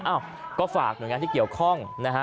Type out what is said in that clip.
อ้าวก็ฝากหน่วยงานที่เกี่ยวข้องนะฮะ